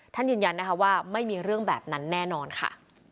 ยืนยันนะคะว่าไม่มีเรื่องแบบนั้นแน่นอนค่ะ